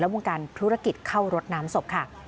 วงการธุรกิจเข้ารดน้ำศพค่ะ